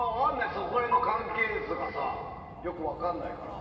その辺の関係がよく分からないから。